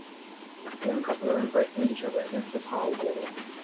A young couple are embracing each other against a tile wall.